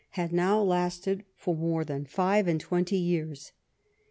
had now lasted for more than five and twenty years.